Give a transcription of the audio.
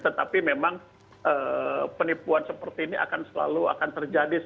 tetapi memang penipuan seperti ini akan selalu akan terjadi